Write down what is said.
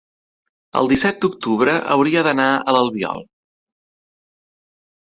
el disset d'octubre hauria d'anar a l'Albiol.